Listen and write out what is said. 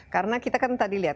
karena kita kan tadi lihat